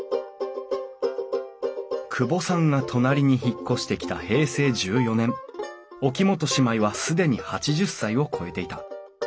久保さんが隣に引っ越してきた平成１４年沖本姉妹は既に８０歳を超えていた。